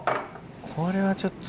これはちょっと。